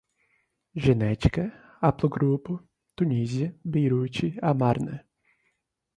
genética, haplogrupo, Tunísia, Beirute, Amarna